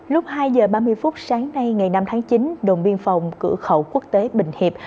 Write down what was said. lúc hai h ba mươi phút sáng nay ngày năm tháng chín đồn biên phòng cửa khẩu quốc tế bình hiệp